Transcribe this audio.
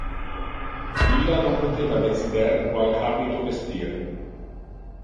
Illa non poteva decider qual habito vestir.